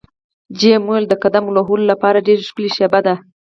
جميلې وويل: د قدم وهلو لپاره ډېره ښکلې شپه ده.